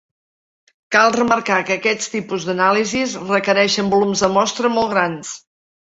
Cal remarcar que aquests tipus d'anàlisis requereixen volums de mostra molt grans.